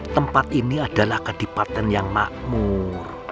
tempat ini adalah kadipaten yang makmur